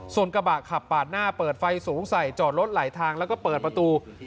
ส่วนกระบะขับปาดหน้าเปิดไฟสูงใส่จอดรถไหลทางแล้วก็เปิดประตู